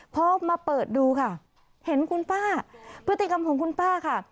พอมาเปิดดูค่ะเห็นคุณป้าพฤติกรรมของคุณป้าค่ะ